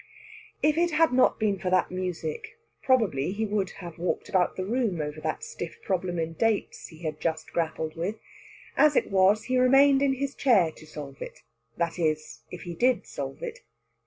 If it had not been for that music, probably he would have walked about the room over that stiff problem in dates he had just grappled with. As it was, he remained in his chair to solve it that is, if he did solve it.